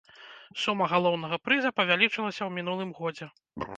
Сума галоўнага прыза павялічылася ў мінулым годзе.